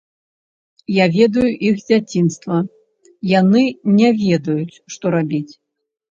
Я ведаю іх з дзяцінства, яны не ведаюць, што рабіць.